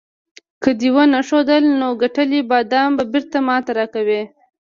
که دې ونه ښودل، نو ګټلي بادام به بیرته ماته راکوې.